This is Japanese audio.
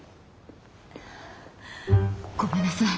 ごめんなさい。